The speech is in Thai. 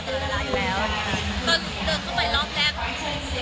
มันเหมือนกับมันเหมือนกับมันเหมือนกับ